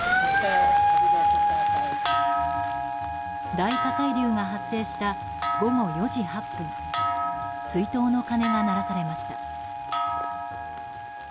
大火砕流が発生した午後４時８分追悼の鐘が鳴らされました。